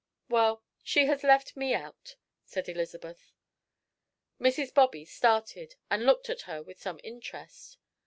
"Well, she has left me out," said Elizabeth. Mrs. Bobby started and looked at her with some interest.